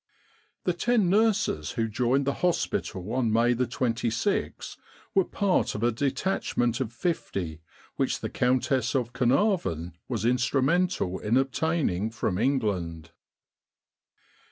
The ten nurses who joined the hospital on May 26 Egypt and the Great War were part of a detachment of 50 which the Countess of Carnarvon was instrumental in obtaining from England.